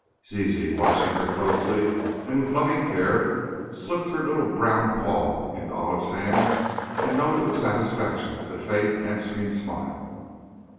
Zizi, watching her closely, and with loving care, slipped her little brown paw into Olive's hand, and noted with satisfaction the faint answering smile.